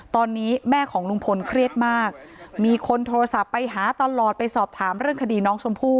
ตอนนี้แม่ของลุงพลเครียดมากมีคนโทรศัพท์ไปหาตลอดไปสอบถามเรื่องคดีน้องชมพู่